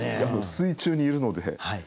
水中にいるので。